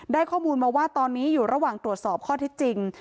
ข้อมูลมาว่าตอนนี้อยู่ระหว่างตรวจสอบข้อที่จริง